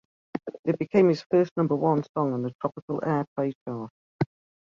It became his first number one song on the Tropical Airplay chart.